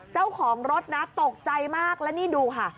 เจ้าของรถนะตกใจมากแล้วนี่ดูค่ะ